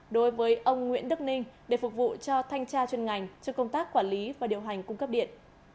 đối với ông nguyễn đức ninh để phục vụ cho thanh tra chuyên ngành cho công tác quản lý và điều hành cung cấp điện